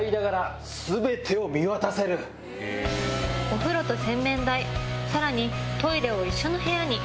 お風呂と洗面台さらにトイレを一緒の部屋に。